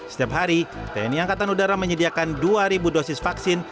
setiap hari tni angkatan udara menyediakan dua dosis vaksin